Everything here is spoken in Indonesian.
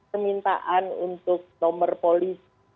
permintaan untuk nomor polis